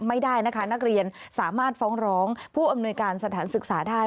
ไม่ได้นะคะนักเรียนสามารถฟ้องร้องผู้อำนวยการสถานศึกษาได้